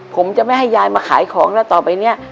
ผมจะไม่ให้ยายมาขายของแล้วต่อไปเนี่ย